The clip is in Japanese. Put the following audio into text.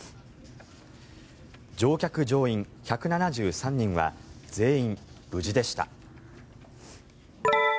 乗客・乗員１７３人は全員無事でした。